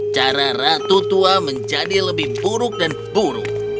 cara ratu tua menjadi lebih buruk dan buruk